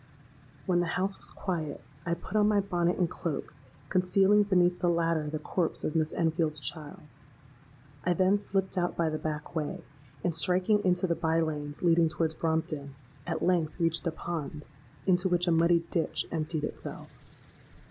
"When the house was quiet, I put on my bonnet and cloak, concealing beneath the latter the corpse of Miss Enfield's child. I then slipped out by the back way, and striking into the bye lanes leading towards Brompton, at length reached a pond, into which a muddy ditch emptied itself.